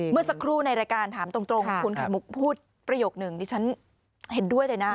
เมื่อสักครู่ในรายการถามตรงคุณไข่มุกพูดประโยคนึงดิฉันเห็นด้วยเลยนะ